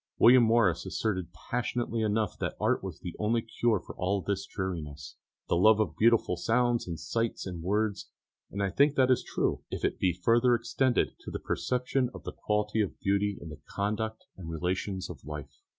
William Morris asserted passionately enough that art was the only cure for all this dreariness the love of beautiful sounds and sights and words; and I think that is true, if it be further extended to a perception of the quality of beauty in the conduct and relations of life.